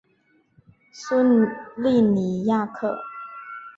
苏利尼亚克。